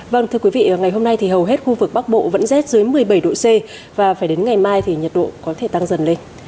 vâng thưa quý vị ngày hôm nay thì hầu hết khu vực bắc bộ vẫn rét dưới một mươi bảy độ c và phải đến ngày mai thì nhiệt độ có thể tăng dần lên